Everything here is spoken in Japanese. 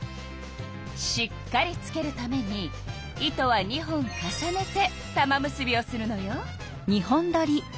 しっかりつけるために糸は２本重ねて玉結びをするのよ。